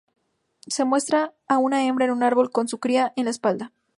Se muestra a una hembra en un árbol con su cría en la espalda.